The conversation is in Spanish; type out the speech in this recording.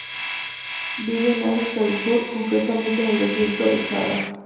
Viven en África del Sur, concretamente en el Desierto del Sáhara.